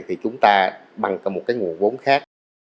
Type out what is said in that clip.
thì chúng ta bằng cả một cái nguồn vốn khác